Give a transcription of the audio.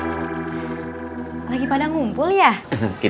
jalur perang ini memang ada alliance